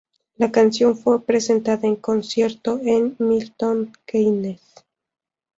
La canción fue presentada en concierto en Milton Keynes.